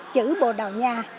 chữ bồ đào nhà